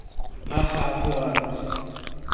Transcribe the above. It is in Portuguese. arrazoados